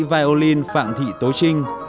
violin phạm thị tố trinh